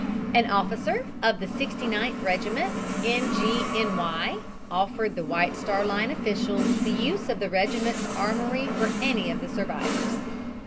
An officer of the Sixty ninth Regiment, N. G. N. Y., offered the White Star Line officials, the use of the regiment's armory for any of the survivors.